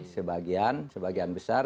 sebagian sebagian besar